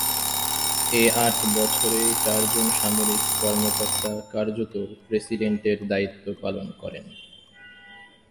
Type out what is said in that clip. এ আট বছরে চারজন সামরিক কর্মকর্তা কার্যত প্রেসিডেন্টের দায়িত্ব পালন করেন।